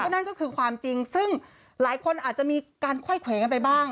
นั่นก็คือความจริงซึ่งหลายคนอาจจะมีการไขว้เขวกันไปบ้าง